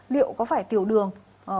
liệu có phải tiểu đường